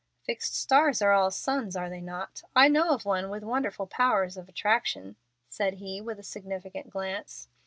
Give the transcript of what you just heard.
"Fixed stars are all suns, are they not? I know of one with wonderful powers of attraction," said he, with a significant glance.